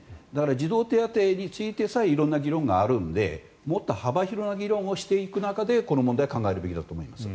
児童手当でも幅広な議論があるのでもっと幅広の議論をしていく中でこの議論は考えるべきだと思います。